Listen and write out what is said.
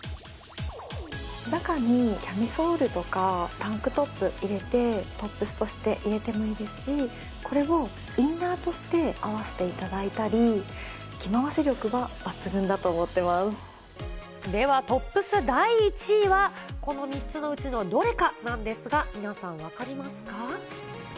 中にキャミソールとかタンクトップ入れて、トップスとして入れてもいいですし、これをインナーとして合わせていただいたり、ではトップス第１位は、この３つのうちのどれかなんですが、皆さん、分かりますか。